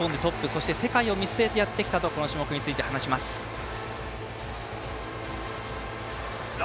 そして世界を見据えてやってきたとこの種目について話します、高田。